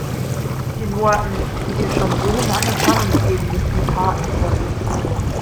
Den Worten, die wir schon so lange von uns geben, müssen Taten folgen.